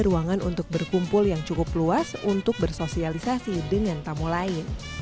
ruangan untuk berkumpul yang cukup luas untuk bersosialisasi dengan tamu lain